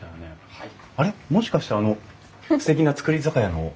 はい。